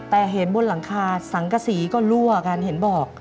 แต่เห็นบนหลังคาสังกษีก็รั่วกันเห็นบอก